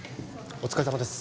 お疲れさまです